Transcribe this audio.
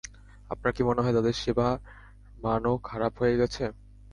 আপনার কি মনে হয় তাদের সেবার মানও খারাপ হয়ে গেছে?